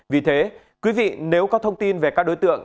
vì thế quý vị nếu có thông tin về các đối tượng